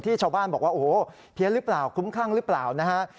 ชาวบ้านบอกว่าโอ้โหเพี้ยนหรือเปล่าคุ้มคลั่งหรือเปล่านะฮะ